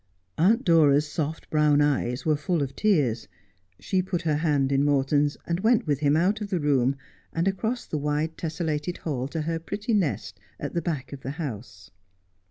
A unt Dora's soft brown eyes were full of tears. She put her hand in Morton's, and went with him out of the room, and across the wide tesselated hall to her pretty nest at the back of the house.